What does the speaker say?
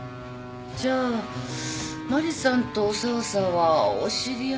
じゃあマリさんと沢さんはお知り合い？